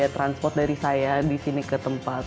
transport dari saya di sini ke tempat